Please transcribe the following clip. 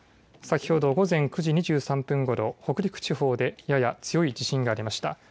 先ほど午前９時２３分ごろ北陸地方でやや強い地震がありました。